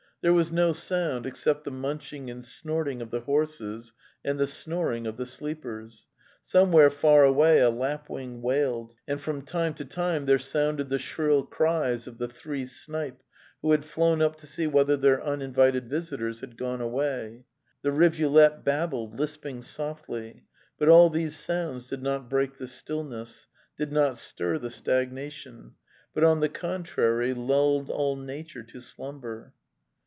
There was no sound except the munching and snorting of the horses and the snoring of the sleepers; somewhere far away a lapwing wailed, and from time to time there sounded the shrill cries of the three snipe who had flown up to see whether their uninvited visitors had gone away; the rivulet babbled, lisping softly, but all these sounds did not break the stillness, did not stir the stagna tion, but, on the contrary, lulled all nature to slum ber.